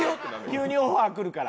急にオファーくるから？